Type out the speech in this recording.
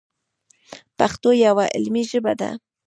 پښتو یوه علمي ژبه ده.